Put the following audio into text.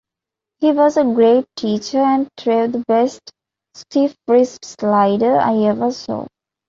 He was a great teacher and threw the best stiff-wrist slider I ever saw.